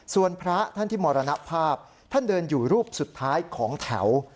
ส่วนพระท่านที่มรณภาพท่านเดินอยู่รูปสุดท้ายของแถว